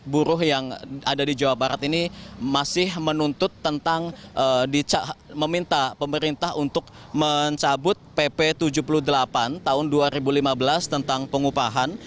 buruh yang ada di jawa barat ini masih menuntut tentang meminta pemerintah untuk mencabut pp tujuh puluh delapan tahun dua ribu lima belas tentang pengupahan